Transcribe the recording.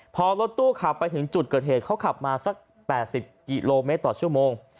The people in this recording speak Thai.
พอรถตู้ขับไปถึงจุดเกิดเหตุเขาขับมาสัก๘๐กิโลเมตรต่อชั่วโมง